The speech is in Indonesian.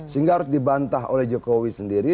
sehingga harus dibantah oleh jokowi sendiri